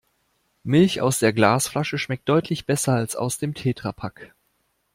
Milch aus der Glasflasche schmeckt deutlich besser als aus dem Tetrapack.